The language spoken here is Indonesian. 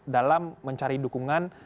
dalam mencari dukungan